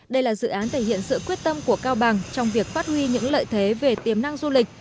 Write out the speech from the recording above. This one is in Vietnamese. đây là dự án thể hiện sự quyết tâm của cao bằng trong việc phát huy những lợi thế về tiềm năng du lịch